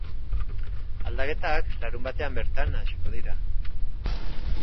Aldaketak larunbatean bertan hasiko dira.